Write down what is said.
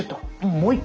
もう一回。